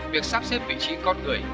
việc sắp xếp vị trí con người